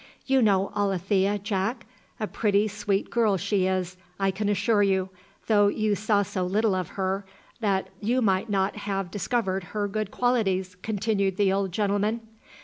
"You know Alethea, Jack? a pretty, sweet girl she is, I can assure you; though you saw so little of her, that you might not have discovered her good qualities," continued the old gentleman.